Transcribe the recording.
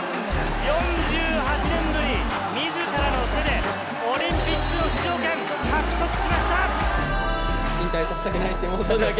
４８年ぶり、自らの手でオリンピックの出場権獲得しました。